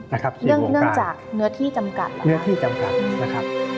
เนื่องจากเนื้อที่จำกัด